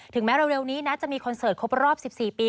แม้เร็วนี้นะจะมีคอนเสิร์ตครบรอบ๑๔ปี